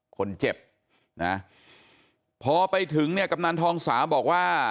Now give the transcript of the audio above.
คนเจ็บนะพอไปถึงเนี่ยกำนันทองสาบอกว่า